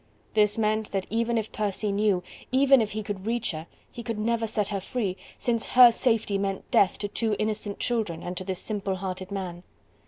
This meant that even if Percy knew, even if he could reach her, he could never set her free, since her safety meant death to two innocent children and to this simple hearted man.